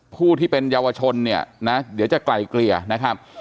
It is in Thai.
ผู้ที่เป็นเยาวชนเนี่ยนะเดี๋ยวจะไกลเกลี่ยนะครับ